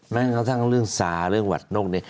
แม้กระทั่งเรื่องซาเรื่องหวัดนกเนี่ย